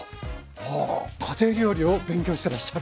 あ家庭料理を勉強してらっしゃる。